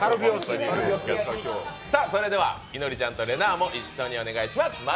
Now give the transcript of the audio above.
それでは、いのりちゃんとれなぁも一緒にお願いします。